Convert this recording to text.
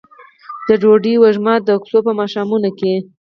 د ډوډۍ وږم د کوڅو په ماښامونو کې